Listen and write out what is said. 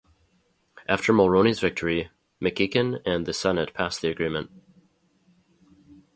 After Mulroney's victory, MacEachen and the Senate passed the agreement.